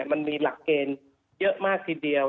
มันมีหลักเกณฑ์เยอะมากทีเดียว